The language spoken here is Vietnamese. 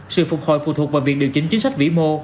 sự phục hồi phụ thuộc vào việc điều chỉnh chính sách vĩ mô